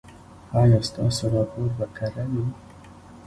ایا ستاسو راپور به کره وي؟